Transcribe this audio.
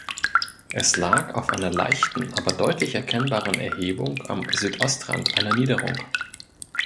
Es lag auf einer leichten aber deutlich erkennbaren Erhebung am Südostrand einer Niederung.